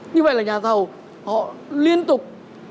như vậy là nhà thầu họ liên tục